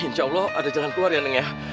insya allah ada jalan keluar ya neng